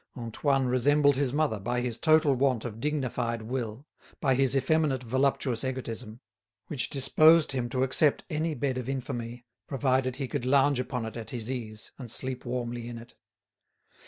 Antoine resembled his mother by his total want of dignified will, by his effeminate voluptuous egotism, which disposed him to accept any bed of infamy provided he could lounge upon it at his ease and sleep warmly in it.